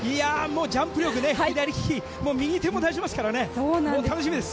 ジャンプ力ね左利き、右手も出しますからね楽しみです。